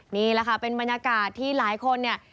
นี่แหละค่ะเป็นบรรยากาศที่หลายคนเนี่ย